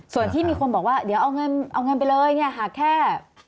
ส่วนที่มีคนบอกว่าเดี๋ยวเอาเงินไปเลยหากแค่๑๕๐